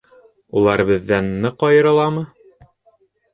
— Улар беҙҙән ныҡ айырыламы?